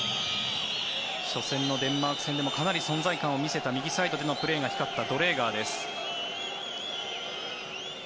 初戦のデンマーク戦でもかなり存在感を見せた右サイドでのプレーが光ったドレーガーです。